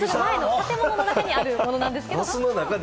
建物の中にあるものなんですけど。